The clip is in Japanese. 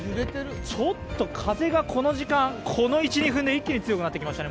ちょっと風がこの時間、この１２分で一気に強くなってきましたね。